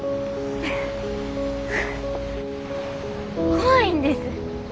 怖いんです。